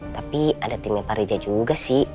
tapi ada timnya pak riza juga sih